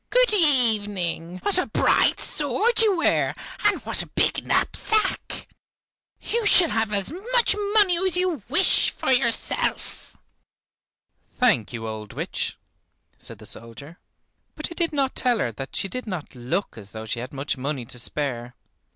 "Good evening; what a bright sword you wear, and what a big knapsack! You shall have as much money as you wish for yourself!" "Thank you, old witch," said the soldier. But he did not tell her that she did not look as though she had much money to spare.